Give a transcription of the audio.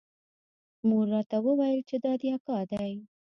مور راته وويل چې دا دې اکا دى.